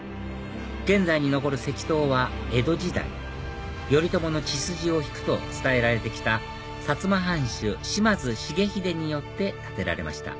現代に残る石塔は江戸時代頼朝の血筋を引くと伝えられて来た薩摩藩主島津重豪によって立てられました